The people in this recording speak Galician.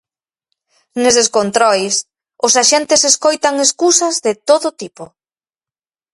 Neses controis os axentes escoitan escusas de todo tipo.